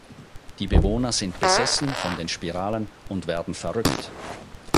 Die Bewohner sind besessen von den Spiralen und werden verrückt.